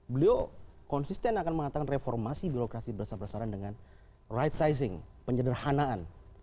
beliau konsisten akan mengatakan reformasi birokrasi bersama sama dengan rightsizing penyederhanaan